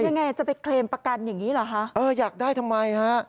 ยังไงจะไปเคลมประกันอย่างงี้เหรอฮะเอออยากได้ทำไมฮะ